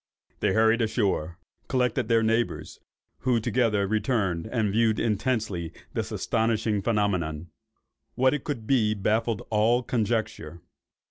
They hurried ashore, collected their neighbours, who together returned and viewed intensely this astonishing phenomenon. What it could be, baffled all conjecture.